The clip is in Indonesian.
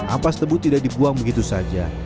ampas tebu tidak dibuang begitu saja